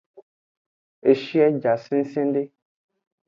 Eshie ja sengsengde.